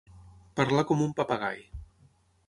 Parlar com un papagai.